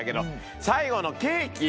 最後のケーキ。